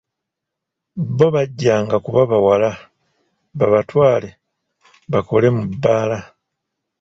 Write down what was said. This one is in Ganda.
Bo bajjanga kuba bawala, babatwale, bakole mu bbaala.